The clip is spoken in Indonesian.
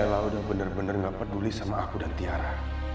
lalu udah bener bener gak peduli sama aku dan tiara